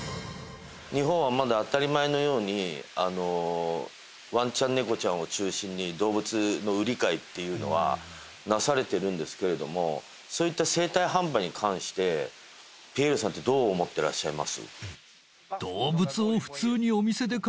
日本はまだ当たり前のようにワンちゃん猫ちゃんを中心に動物の売り買いっていうのはなされてるんですけれどもそういった生体販売に関してピエールさんってどう思ってらっしゃいます？